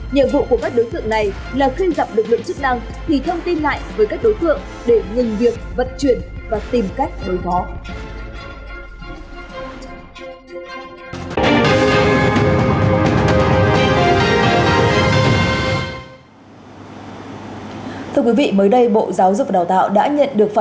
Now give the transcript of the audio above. nhiệm vụ của các đối tượng này là khi gặp được lượng chức năng thì thông tin lại với các đối tượng để nhân việc vật chuyển và tìm cách đối phó